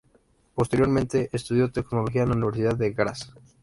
Posteriormente, estudió teología en la Universidad de Graz.